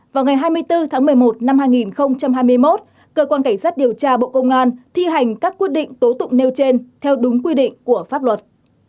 vào ngày hai mươi bốn tháng một mươi một năm hai nghìn hai mươi một cơ quan cảnh sát điều tra bộ công an thi hành các quyết định tố tụng nêu trên theo đúng quy định của pháp luật